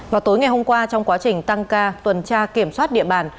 vào tối ngày hôm qua trong quá trình tăng ca tuần tra kiểm soát địa bàn